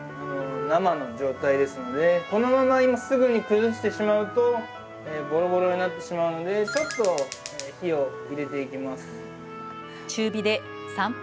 生の状態ですのでこのまま今すぐに崩してしまうとぼろぼろになってしまうのでちょっと火を入れていきます。